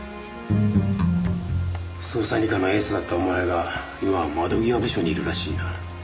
捜査２課のエースだったお前が今は窓際部署にいるらしいな。